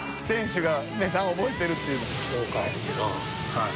はい。